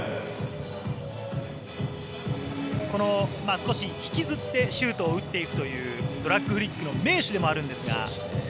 少し引きずってシュートを打っていくというドラッグフリックの名手でもあるんですが。